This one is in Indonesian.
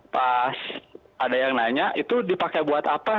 pas ada yang nanya itu dipakai buat apa